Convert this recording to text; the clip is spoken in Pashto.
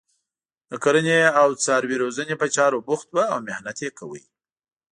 د کرنې او څاروي روزنې په چارو بوخت وو او محنت یې کاوه.